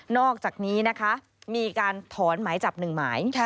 นอกจากนี้นะคะมีการถอนไม้จับ๑ไม้